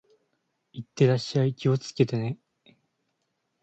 行ってらっしゃい。気をつけてね。